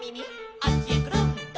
「あっちへくるん」